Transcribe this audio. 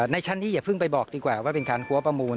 ในชั้นนี้อย่าเพิ่งไปบอกดีกว่าว่าเป็นการหัวประมูล